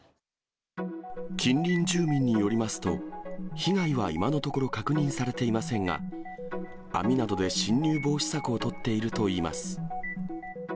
近隣住民によりますと、被害は今のところ確認されていませんが、網などで侵入防止策を取っているといいます。